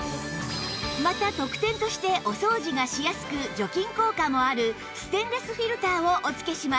また特典としてお掃除がしやすく除菌効果もあるステンレスフィルターをお付けします